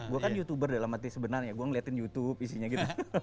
gue kan youtuber dalam arti sebenarnya gue ngeliatin youtube isinya gitu